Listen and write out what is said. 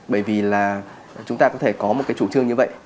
bởi vì là chúng ta có thể có một cái chủ trương như vậy